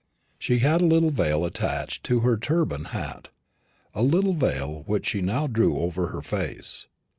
She had a little veil attached to her turban hat a little veil which she now drew over her face.